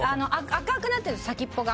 赤くなってるんです先っぽが。